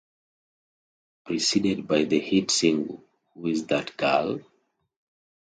Preceded by the hit single Who's That Girl?